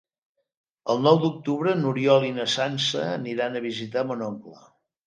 El nou d'octubre n'Oriol i na Sança aniran a visitar mon oncle.